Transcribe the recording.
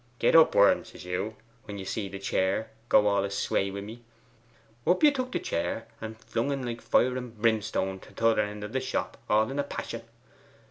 "Get up, Worm," says you, when you seed the chair go all a sway wi' me. Up you took the chair, and flung en like fire and brimstone to t'other end of your shop all in a passion.